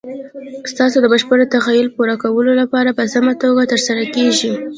ستاسو د بشپړ تخیل پوره کولو لپاره په سمه توګه تر سره کیږي.